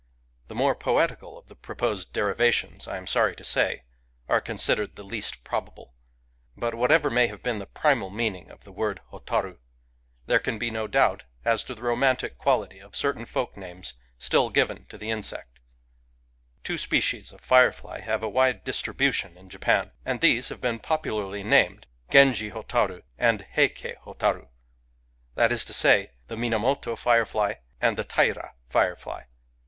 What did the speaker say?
The more poetical of the proposed derivations, I am sorry to say, are considered the least probable. But whatever may have been the primal meaning of the word hotaruj there can be no doubt as to the romantic quality of certain folk names still given to the insect. Digitized by Googk 140 FIREFLIES Two species of firefly have a wide distribution in Japan; and these have been popularly named Genji'botaru and Heiki botaru : that is to say, " the Minamoto Firefly " and "the Taira Firefly."